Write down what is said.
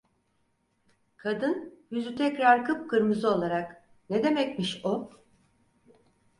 Kadın, yüzü tekrar kıpkırmızı olarak: "Ne demekmiş o?".